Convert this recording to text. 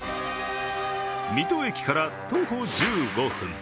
水戸駅から徒歩１５分。